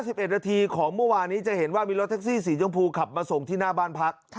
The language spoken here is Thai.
สิบเอ็ดนาทีของเมื่อวานนี้จะเห็นว่ามีรถแท็กซี่สีชมพูขับมาส่งที่หน้าบ้านพัก